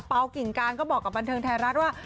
กิ่งการก็บอกกับบันเทิงไทยรัฐว่า